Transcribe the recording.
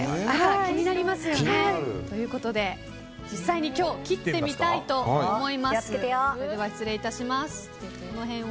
気になりますよね。ということで実際に今日切ってみたいと思います。